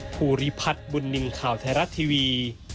ภูริพัฒน์บุญนินทร์ข่าวไทยรัฐทีวี